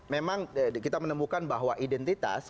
memang kita menemukan bahwa identitas